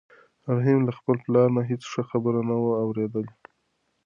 رحیم له خپل پلار نه هېڅ ښه خبره نه وه اورېدلې.